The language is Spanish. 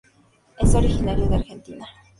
Es originario de Argentina.